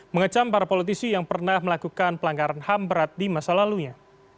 mengecam para politisi yang pernah melakukan pelanggaran ham berat di masa lalunya